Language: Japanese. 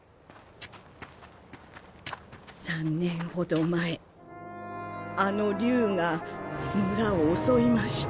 ３年ほど前あの竜が村を襲いました。